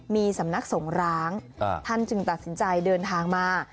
มีสำนักสงร้างท่านจึงตัดสินใจเดินทางมา